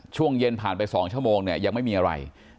ช่วงเย็นผ่านไป๒ชั่วโมงเนี่ยยังไม่มีอะไร